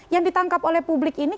yang ditangkap oleh publik ini